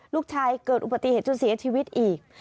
เกิดอุบัติเหตุจนเสียชีวิตอีก